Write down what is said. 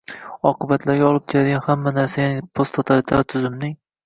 oqibatlarga olib keladigan hamma narsa ya’ni posttotalitar tuzumning